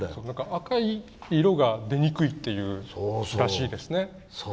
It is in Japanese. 赤い色が出にくいらしいですね。